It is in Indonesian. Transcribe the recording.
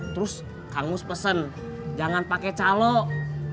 terus kang mus pesen jangan pakai calok